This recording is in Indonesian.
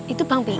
itu bang p i